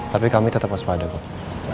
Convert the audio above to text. tapi kami tetap waspada kok